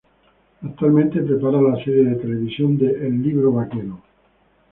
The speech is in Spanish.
Actualmente prepara la serie de televisión de "El Libro Vaquero".